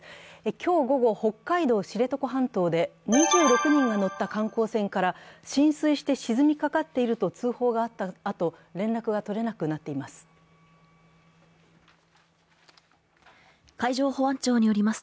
今日午後、北海道・知床半島で２６人が乗った観光船から浸水して沈みかかっていると通報があったあと連絡が取れなくなっています。